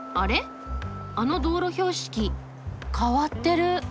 あの道路標識。変わってる。